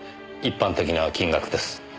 一般的な金額です。